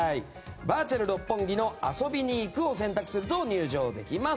バーチャル六本木の遊びに行くを選択すると入場できます。